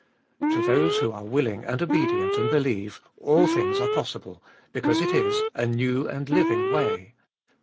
To those who are willing and obedient and believe, all things are possible, because it is a new and living way.